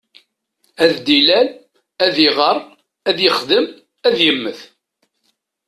Ad d-ilal, ad iɣer, ad yexdem, ad yemmet.